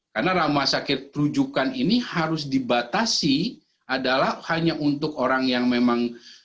karena rumah sakit rujukan ini harus dibatasi adalah hanya untuk orang yang memang